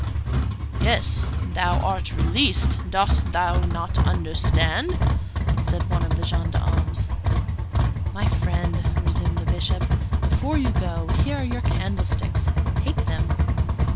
"Yes, thou art released; dost thou not understand?" said one of the gendarmes. "My friend," resumed the Bishop, "before you go, here are your candlesticks. Take them."